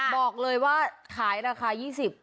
บอกเลยว่าขายราคา๒๐บาท